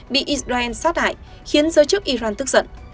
bị israel sát hại khiến giới chức iran tức giận